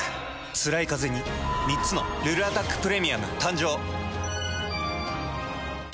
つらいカゼに３つの「ルルアタックプレミアム」誕生。